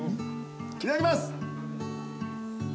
いただきます！